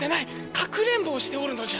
かくれんぼをしておるのじゃ。